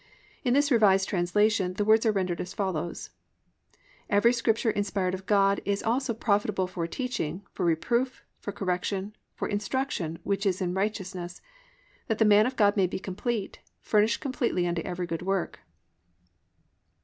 In this revised translation, the words are rendered as follows: "Every Scripture inspired of God is also profitable for teaching, for reproof, for correction, for instruction which is in righteousness; that the man of God may be complete, furnished completely unto every good work."